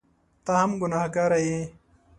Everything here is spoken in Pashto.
ته هم ګنهکاره یې !